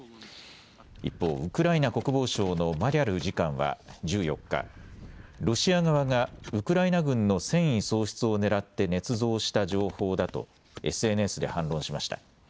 一方、ウクライナ国防省のマリャル次官は１４日、ロシア側がウクライナ軍の戦意喪失をねらってねつ造した情報だとＳＮＳで反論しました。